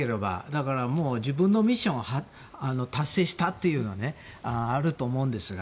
だから、自分のミッションを達成したというのがあると思うんですが。